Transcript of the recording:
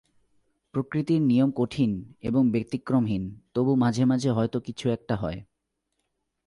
প্রকৃতির নিয়ম কঠিন এবং ব্যতিক্রমহীন, তবু মাঝে-মাঝে হয়তো কিছু-একটা হয়।